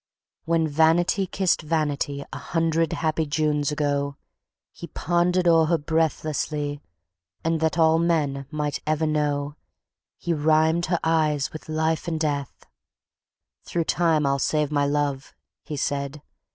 When Vanity kissed Vanity, a hundred happy Junes ago, he pondered o'er her breathlessly, and, that all men might ever know, he rhymed her eyes with life and death: "Thru Time I'll save my love!" he said...